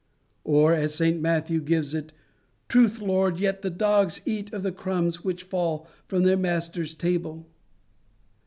Or, as St Matthew gives it: "Truth, Lord: yet the dogs eat of the crumbs which fall from their masters' table."